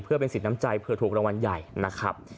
เพื่อเป็นสิทธิ์น้ำใจเผื่อถูกรางวัลใหญ่นะครับ